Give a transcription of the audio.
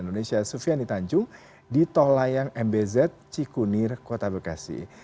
indonesia sufiani tanjung di tol layang mbz cikunir kota bekasi